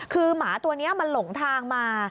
คือหมาตัวนี้มันหลงทางมา